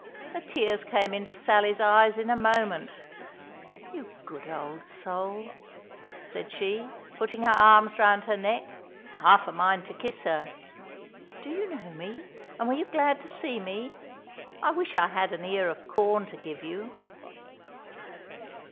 The tears came into Sally's eyes in a moment. "You good old soul," said she, putting her arms round her neck, half a mind to kiss her, "do you know me, and were you glad to see me? I wish I had an ear of corn to give you."